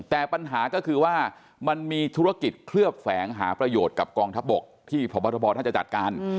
แต่ปัญหาก็คือว่ามันมีธุรกิจเคลือบแฝงหาประโยชน์กับกองทัพบกที่พบทบท่านจะจัดการ